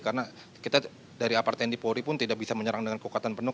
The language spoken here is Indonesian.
karena kita dari aparten di polri pun tidak bisa menyerang dengan kokatan penuh